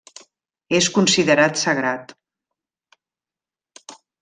És considerat sagrat.